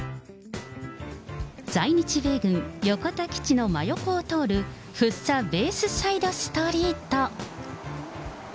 在日米軍横田基地の真横を通る、福生ベースサイドストリート。